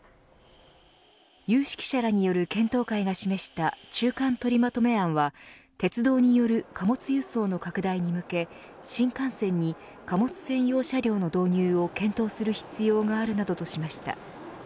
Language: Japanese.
有識者らによる検討会が示した中間取りまとめ案は鉄道による貨物輸送の拡大に向け新幹線に貨物専用車両の導入を検討する必要があるなどとしました。